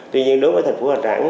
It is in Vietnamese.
tuy nhiên đối với thành phố hà nẵng